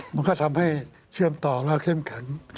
มันก็ทำให้เชื่อมต่อและเข้มแข็ง